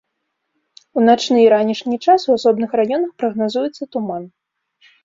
У начны і ранішні час у асобных раёнах прагназуецца туман.